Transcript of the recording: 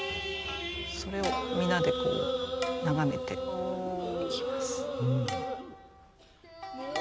それを皆でこう眺めていきます。